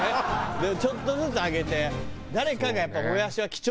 でちょっとずつ上げて。